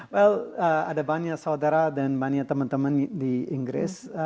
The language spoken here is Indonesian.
well ada banyak saudara dan banyak teman teman di inggris